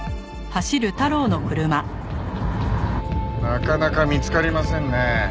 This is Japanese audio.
なかなか見つかりませんね。